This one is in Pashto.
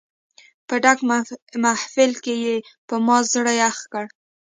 په ډک محفل کې یې په ما زړه یخ کړ.